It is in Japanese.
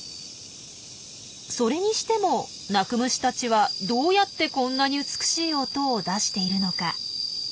それにしても鳴く虫たちはどうやってこんなに美しい音を出しているのか？